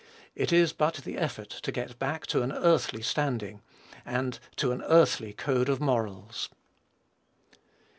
It is but the effort to get back to an earthly standing, and to an earthly code of morals.